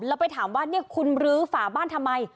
แล้วไปถามว่าเนี่ยคุณลื้อฝาบ้านทำไม